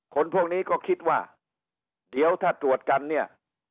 คนพวกนี้ก็คิดว่าเดี๋ยวถ้าตรวจกันเนี่ย